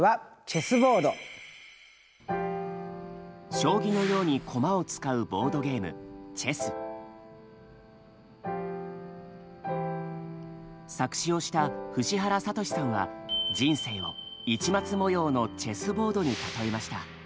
将棋のように駒を使うボードゲーム作詞をした藤原聡さんは人生を市松模様のチェスボードに例えました。